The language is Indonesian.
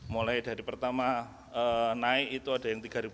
mulai dari pertama naik itu ada yang tiga